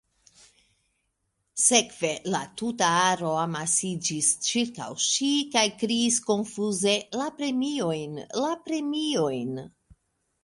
Sekve, la tuta aro amasiĝis ĉirkaŭ ŝi kaj kriis konfuze “La premiojn, la premiojn.”